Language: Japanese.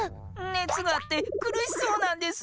ねつがあってくるしそうなんです。